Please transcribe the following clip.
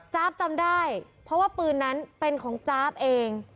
จำได้เพราะว่าปืนนั้นเป็นของจ๊าบเอง